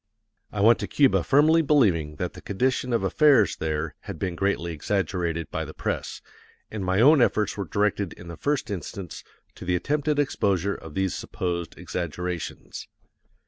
I went to Cuba firmly believing that the condition of affairs there had been greatly exaggerated by the press, and my own efforts were directed in the first instance to the attempted exposure of these supposed exaggerations.